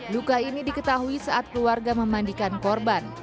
luka ini diketahui saat keluarga memandikan korban